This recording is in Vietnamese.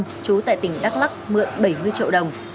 lâm trú tại tỉnh đắk lắc mượn bảy mươi triệu đồng